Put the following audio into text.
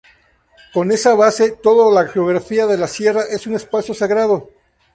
Con esa base, toda la geografía de la sierra es un espacio sagrado.